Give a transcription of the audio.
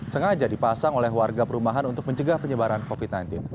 sengaja dipasang oleh warga perumahan untuk mencegah penyebaran covid sembilan belas